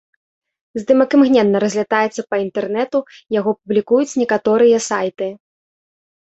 Здымак імгненна разлятаецца па інтэрнэту, яго публікуюць некаторыя сайты.